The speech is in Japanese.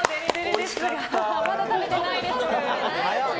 まだ食べてないです。